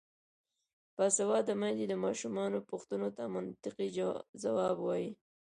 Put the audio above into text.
باسواده میندې د ماشومانو پوښتنو ته منطقي ځواب وايي.